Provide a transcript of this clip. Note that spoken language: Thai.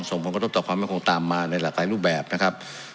ส่งผลกระทบต่อความมั่นคงตามมาในหลากหลายรูปแบบนะครับ